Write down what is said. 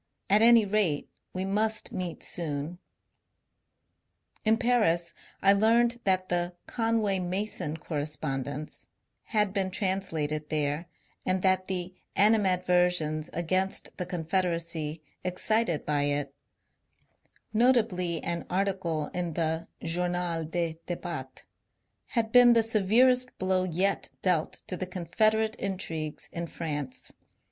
At any rate, we must meet soon. In Paris I learned that the '^ Conway Mason correspond ence '* had been translated there, and that the animadver sions against the Confederacy excited by it, notably an article in the ^^ Journal des D^bats," had been the severest blow yet dealt to the Confederate intrigues in France.